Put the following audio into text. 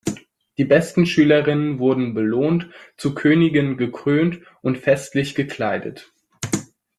Die besten Schülerinnen wurden belohnt, zu Königinnen gekrönt und festlich gekleidet.